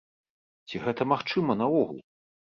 Ці гэта магчыма наогул?